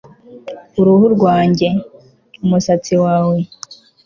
ku ruhu rwanjye. umusatsi wawe